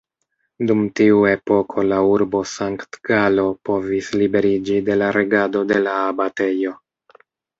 Dum tiu epoko la urbo Sankt-Galo povis liberiĝi de la regado de la abatejo.